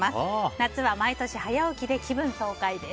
夏は毎年早起きで気分爽快です。